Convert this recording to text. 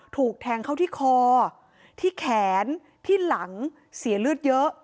ถูกแทงเข้าที่คอที่แขนที่หลังเสียเลือดเยอะ